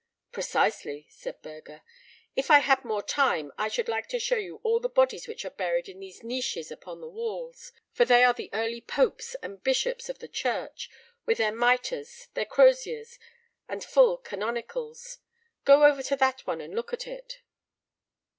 "Precisely," said Burger. "If I had more time I should like to show you all the bodies which are buried in these niches upon the walls, for they are the early popes and bishops of the Church, with their mitres, their croziers, and full canonicals. Go over to that one and look at it!"